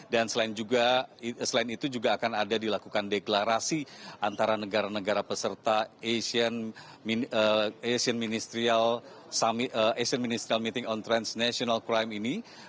selain itu juga akan ada dilakukan deklarasi antara negara negara peserta asian asian ministerial meeting on transnational crime ini